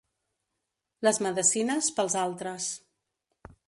Les medecines, pels altres.